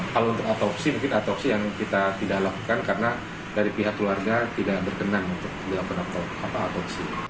kalau untuk autopsi mungkin atopsi yang kita tidak lakukan karena dari pihak keluarga tidak berkenan untuk dilakukan autopsi